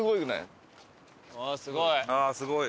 ああすごい。